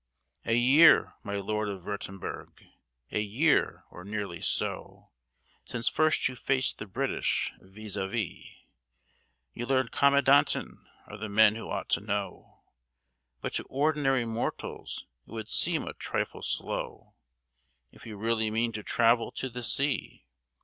A year, my Lord of Würtemberg a year, or nearly so, Since first you faced the British vis à vis! Your learned Commandanten are the men who ought to know, But to ordinary mortals it would seem a trifle slow, If you really mean to travel to the sea.